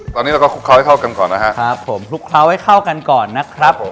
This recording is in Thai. ตอนนี้เราก็คลุกเคล้าให้เข้ากันก่อนนะฮะครับผมคลุกเคล้าให้เข้ากันก่อนนะครับผม